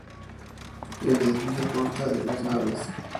El edificio consta de tres naves.